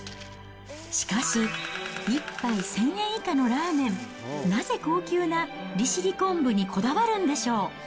しかし、１杯１０００円以下のラーメン、なぜ高級な利尻昆布にこだわるんでしょう。